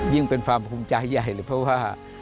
เป็นความภูมิใจใหญ่เลยเพราะว่า